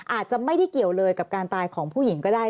อาจจะไม่ได้เกี่ยวเลยกับการตายของผู้หญิงก็ได้